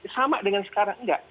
sama dengan sekarang enggak